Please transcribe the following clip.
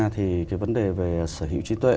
thì cái vấn đề về sở hữu trí tuệ